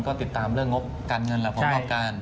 ก็ติดตามเรื่องงบการเงินแล้วผมพบกัน